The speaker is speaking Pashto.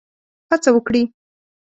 هڅه وکړي.